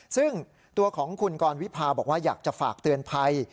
ซึ่งตัวของคุณกรวิพาบอกว่าอยากจะฝากเตือนภัย